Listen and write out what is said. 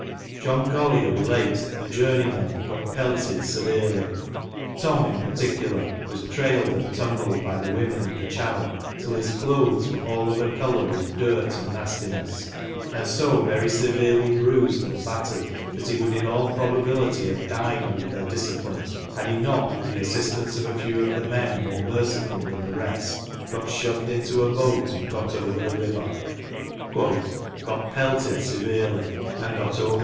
John Collier relates that the journeymen "got pelted severely ; Tom in particular was trailed and tumbled by the women in the channel till his cloaths were all of a colour with dirt and nastiness, and so very severely bruised and battered that he would in all probability have died under their discipline had he not, with the assistance of a few of the men more merciful than the rest, got shoved into a boat and got over the _ river."